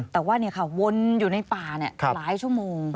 แต่ว่าวนอยู่ในป่าหลายชั่วโมง